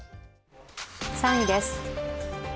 ３位です。